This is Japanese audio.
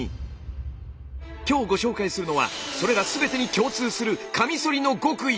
今日ご紹介するのはそれら全てに共通するカミソリの極意。